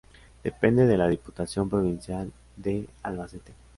Depende de la Diputación Provincial de Albacete.